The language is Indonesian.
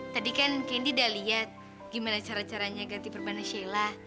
tadi kan kendi udah lihat gimana cara caranya ganti perban shela